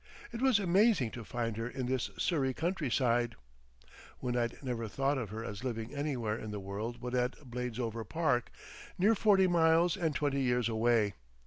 It was amazing to find her in this Surrey countryside, when I'd never thought of her as living anywhere in the world but at Bladesover Park, near forty miles and twenty years away.